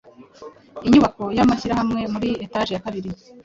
inyubako y’amashyirahamwe muri etage ya kabiri